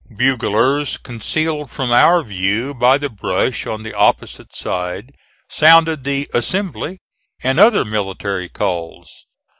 Buglers, concealed from our view by the brush on the opposite side, sounded the "assembly," and other military calls.